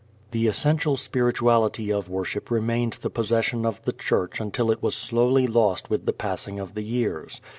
The essential spirituality of worship remained the possession of the Church until it was slowly lost with the passing of the years.